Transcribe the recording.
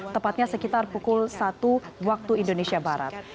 tepatnya sekitar pukul satu waktu indonesia barat